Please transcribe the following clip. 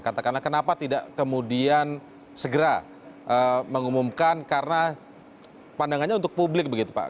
katakanlah kenapa tidak kemudian segera mengumumkan karena pandangannya untuk publik begitu pak